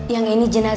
yang ini jenazahnya bu